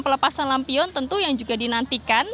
pelepasan lampion tentu yang juga dinantikan